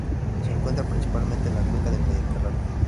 Se encuentra principalmente en la cuenca del Mediterráneo.